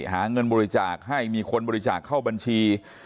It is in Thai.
หาเงินบริจาคให้มีคนบริจาคเข้าบัญชี